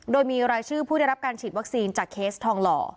โดยมีรายชื่อผู้ได้รับการฉีดวัคซีนจากเคสทองหล่อ